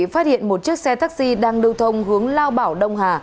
phát hiện một chiếc xe taxi đang lưu thông hướng lao bảo đông hà